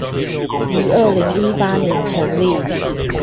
於二零一八年成立